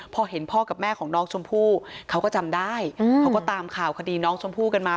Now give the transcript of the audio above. พอเห็นพ่อกับแม่ของน้องชมพู่เขาก็จำได้เขาก็ตามข่าวคดีน้องชมพู่กันมา